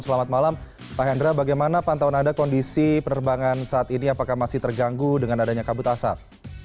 selamat malam pak hendra bagaimana pantauan anda kondisi penerbangan saat ini apakah masih terganggu dengan adanya kabut asap